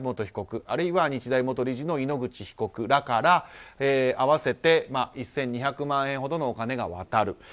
被告、あるいは日大元理事の井ノ口被告らから合わせて１２００万円ほどのお金が渡る。